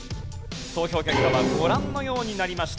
投票結果はご覧のようになりました。